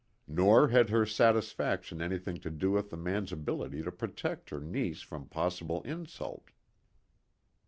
Nor had her satisfaction anything to do with the man's ability to protect her niece from possible insult.